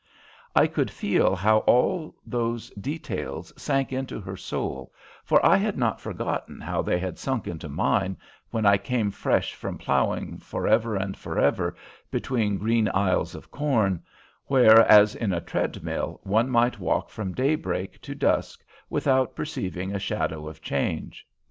I could feel how all those details sank into her soul, for I had not forgotten how they had sunk into mine when I came fresh from ploughing forever and forever between green aisles of corn, where, as in a treadmill, one might walk from daybreak to dusk without perceiving a shadow of change.